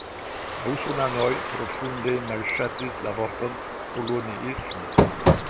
La usonanoj profunde malŝatis la vorton "koloniismo".